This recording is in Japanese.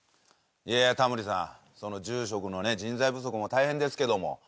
いやタモリさんその住職のね人材不足も大変ですけども。